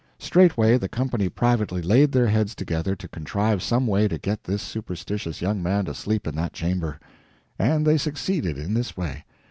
Straightway, the company privately laid their heads together to contrive some way to get this superstitious young man to sleep in that chamber. And they succeeded in this way.